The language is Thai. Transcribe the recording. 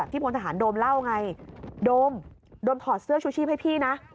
พลทหารโดมเล่าไงโดมโดมถอดเสื้อชูชีพให้พี่นะ